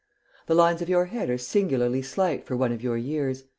The lines of your head are singularly slight for one of your years.